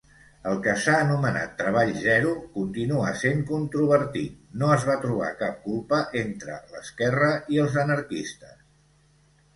El que s'ha anomenat "treball zero" continua sent controvertit no es va trobar cap culpa.entre l'esquerra i els anarquistes.